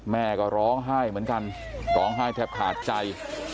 แม่ก็ร้องไห้เหมือนกันร้องไห้แทบขาดใจ